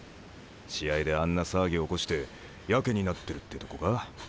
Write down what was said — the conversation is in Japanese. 試合であんな騒ぎ起こしてやけになってるってとこか。